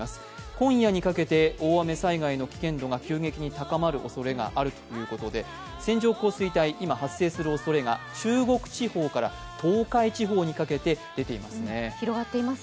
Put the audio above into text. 今夜にかけて大雨災害の危険度が急激に高まるおそれがあるということで、線状降水帯、今、発生するおそれが中国地方から東海地方にかけて出ていますね。